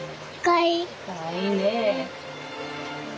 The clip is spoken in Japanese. かわいいねえ。